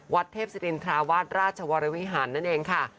เทพศิรินทราวาสราชวรวิหารนั่นเองค่ะ